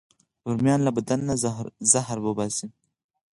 رومیان له بدن نه زهرونه وباسي